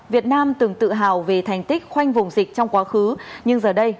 việt nam từng tự hào về thành tích khoanh vùng dịch trong quá khứ nhưng giờ đây